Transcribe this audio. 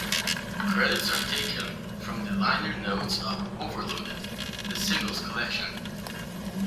Credits are taken from the liner notes of "Overloaded: The Singles Collection".